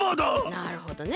なるほどね。